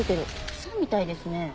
草みたいですね。